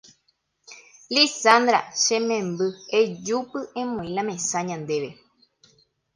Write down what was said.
¡Lizandra! che memby ejúpy emoĩ la mesa ñandéve.